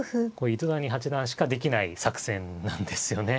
糸谷八段しかできない作戦なんですよね。